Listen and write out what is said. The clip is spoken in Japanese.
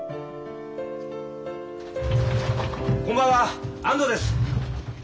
・・こんばんは安藤です。